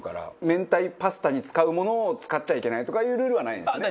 明太パスタに使うものを使っちゃいけないとかいうルールはないんですね？